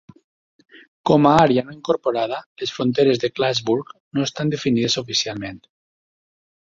Com a àrea no incorporada, les fronteres de Clarksburg no estan definides oficialment.